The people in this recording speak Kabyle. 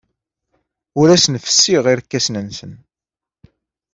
Ur asen-fessiɣ irkasen-nsen.